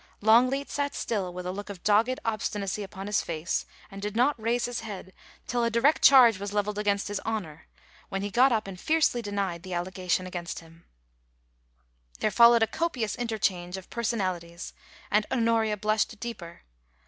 Longleat sat still, with a look of dogged obstinacy upon his face, and did not raise his head till a direct charge was levelled against his honour, when he got up and fiercely denied the allegation against him. THE COUP ly&TAT. 149 There followed a copious interchange of personalities, and Honoria blushed deeper.